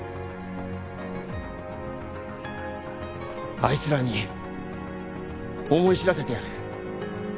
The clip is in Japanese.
あいつらに思い知らせてやる。